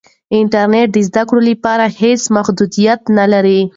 انټرنیټ د زده کړې لپاره هېڅ محدودیت نه لري.